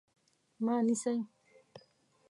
_ما نيسئ؟